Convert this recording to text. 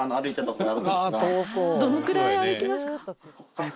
どのくらい歩きますか？